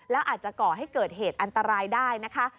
แล้วอาจจะก่อให้เกิดเหตุอันตรายได้นะคะ